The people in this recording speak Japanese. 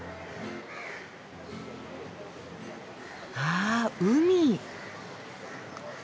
あ海。